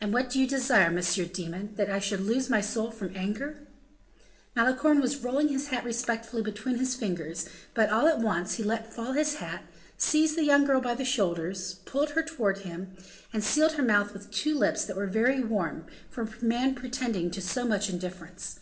"And what do you desire, Monsieur Demon? That I should lose my soul from anger?" Malicorne was rolling his hat respectfully between his fingers; but, all at once, he let fall his hat, seized the young girl by the shoulders, pulled her towards him, and sealed her mouth with two lips that were very warm, for a man pretending to so much indifference.